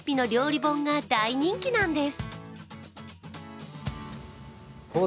本が大人気なんです。